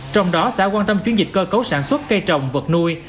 trong đó xã quan tâm chuyển dịch cơ cấu sản xuất cây trồng vật nuôi